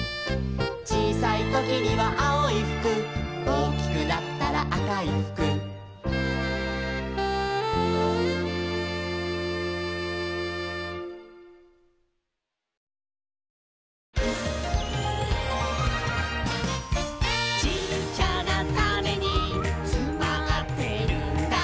「ちいさいときにはあおいふく」「おおきくなったらあかいふく」「ちっちゃなタネにつまってるんだ」